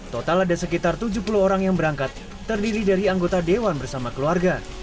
total ada sekitar tujuh puluh orang yang berangkat terdiri dari anggota dewan bersama keluarga